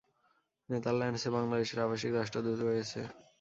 নেদারল্যান্ডসে বাংলাদেশের আবাসিক রাষ্ট্রদূত রয়েছে।